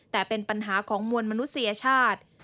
แต่เป็นปัญหาของมวลมนุษยชาติ